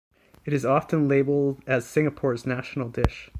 It is often labelled as Singapore's national dish.